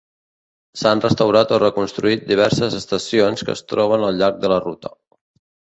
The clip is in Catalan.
S'han restaurat o reconstruït diverses estacions que es troben al llarg de la ruta.